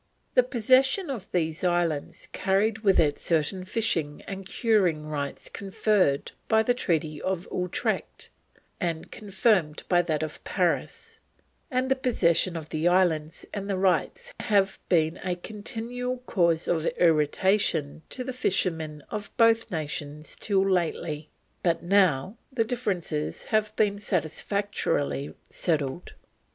The possession of these islands carried with it certain fishing and curing rights conferred by the Treaty of Utrecht and confirmed by that of Paris, and the possession of the islands and rights have been a continual cause of irritation to the fishermen of both nations till lately, but now the differences have been satisfactorily settled.